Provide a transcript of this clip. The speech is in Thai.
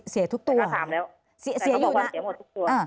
เสียทุกตัวแต่เขาถามแล้วเสียอยู่แต่เขาบอกว่าเสียหมดทุกตัว